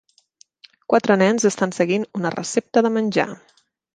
Quatre nens estan seguint una recepta de menjar.